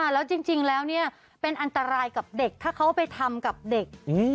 แล้วจริงแล้วเป็นอันตรายกับเด็กถ้าเขาไปทำกับเด็ก